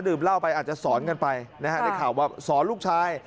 เหล้าไปอาจจะสอนกันไปนะฮะในข่าวว่าสอนลูกชาย